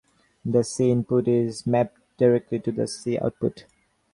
The "C" input is mapped directly to the "C" output.